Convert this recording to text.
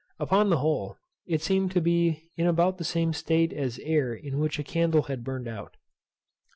Upon the whole, it seemed to be in about the same state as air in which a candle had burned out.